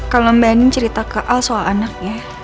kalau mbak anin cerita ke al soal anaknya